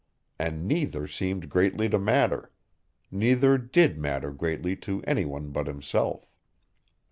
And neither seemed greatly to matter; neither did matter greatly to any one but himself.